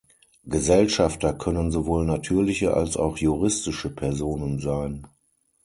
Gesellschafter können sowohl natürliche als auch juristische Personen sein.